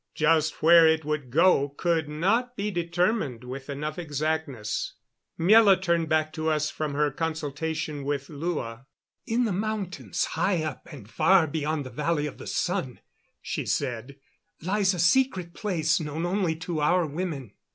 Just where it would go could not be determined with enough exactness. Miela turned back to us from her consultation with Lua. "In the mountains, high up and far beyond the Valley of the Sun," she said, "lies a secret place known only to our women.